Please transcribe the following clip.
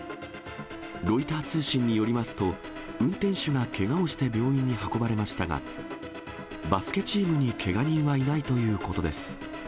ロイター通信によりますと、運転手がけがをして病院に運ばれましたが、バスケチームにけが人はいないということです。